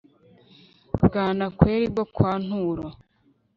bwanakweli bwo kwa nturo